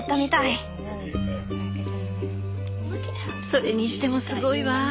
それにしてもすごいわ。